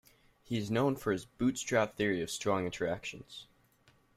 He is known for his bootstrap theory of strong interactions.